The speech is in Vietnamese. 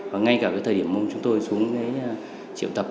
và ngay cả cái thời điểm mông chúng tôi xuống cái triệu tập